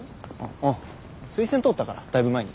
うん推薦通ったからだいぶ前に。